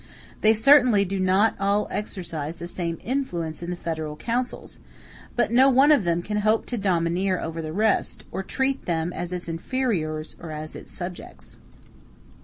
They certainly do not all exercise the same influence in the federal councils, but no one of them can hope to domineer over the rest, or to treat them as its inferiors or as its subjects.